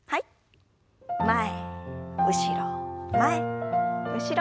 前後ろ前後ろ。